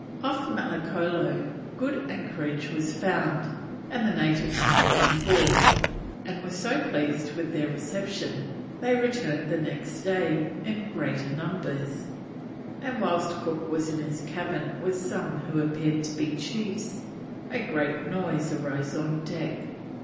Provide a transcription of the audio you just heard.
Off Malicolo good anchorage was found, and the natives came on board, and were so pleased with their reception they returned next day in greater numbers, and whilst Cook was in his cabin with some who appeared to be chiefs, a great noise arose on deck.